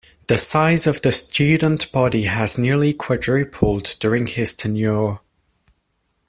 The size of the student body has nearly quadrupled during his tenure.